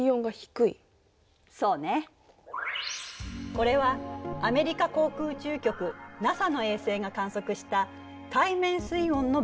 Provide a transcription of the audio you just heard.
これはアメリカ航空宇宙局ＮＡＳＡの衛星が観測した海面水温の分布。